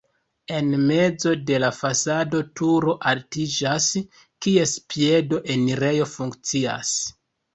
En mezo de la fasado turo altiĝas, kies piedo enirejo funkcias.